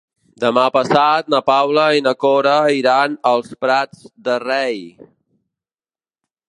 Demà passat na Paula i na Cora iran als Prats de Rei.